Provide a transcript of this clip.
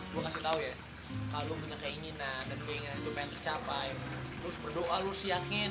gue kasih tau ya kalau lo punya keinginan dan inginnya itu pengen tercapai lo harus berdoa lo harus yakin